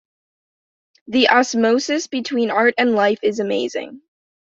The osmosis between art and life is amazing.